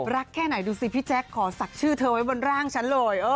แค่ไหนดูสิพี่แจ๊คขอศักดิ์ชื่อเธอไว้บนร่างฉันเลย